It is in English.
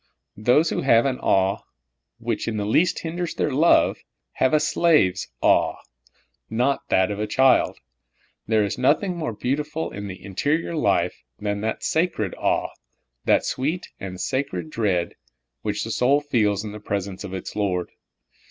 Those who have an awe which in the least hinders their love, have a slave's aw^e, and not that of a child. There is nothing more beautiful in the interior life than that sacred awe, that sweet and sacred dread, which the soul feels in the presence of its Lord.